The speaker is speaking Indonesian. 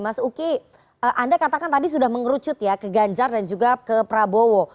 mas uki anda katakan tadi sudah mengerucut ya ke ganjar dan juga ke prabowo